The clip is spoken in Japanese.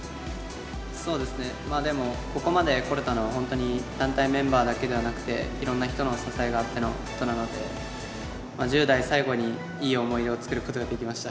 そうですね、でも、ここまで来れたのは本当に団体メンバーだけではなくて、いろんな人の支えがあってのことなので、１０代最後にいい思い出を作ることができました。